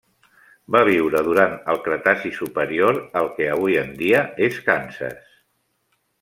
Va viure durant el Cretaci superior al que avui en dia és Kansas.